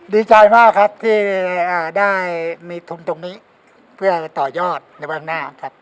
ดีใจมากครับที่ได้มีทุนตรงนี้เพื่อต่อยอดในวันหน้าครับ